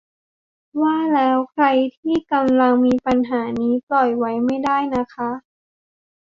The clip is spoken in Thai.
ว่าแล้วใครที่กำลังมีปัญหานี้ปล่อยไว้ไม่ได้นะคะ